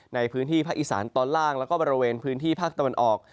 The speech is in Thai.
ในพื้นที่ภาคอีสานตอนล่างแล้วก็บริเวณพื้นที่ภาคตะวันออก